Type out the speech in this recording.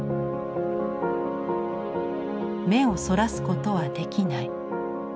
目をそらすことはできない。